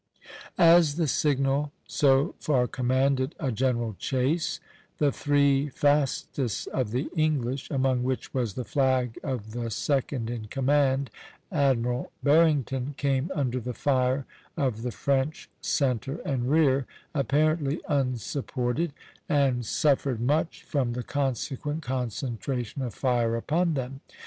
As the signal so far commanded a general chase, the three fastest of the English, among which was the flag of the second in command, Admiral Barrington, came under fire of the French centre and rear, apparently unsupported (b), and suffered much from the consequent concentration of fire upon them.